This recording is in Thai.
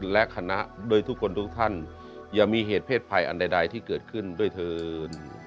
และคณะโดยทุกคนทุกท่านอย่ามีเหตุเพศภัยอันใดที่เกิดขึ้นด้วยเถิน